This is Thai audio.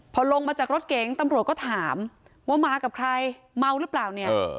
พอลงมาจากรถเก๋งตำรวจก็ถามว่ามากับใครเมาหรือเปล่าเนี่ย